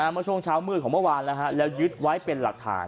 เมื่อช่วงเช้ามืดของเมื่อวานแล้วยึดไว้เป็นหลักฐาน